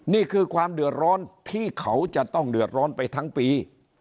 นี่คือความเดือดร้อนที่เขาจะต้องเดือดร้อนไปทั้งปี